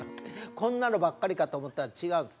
こんなのばっかりかと思ったら違うんです。